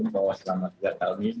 bahwa selama tiga tahun ini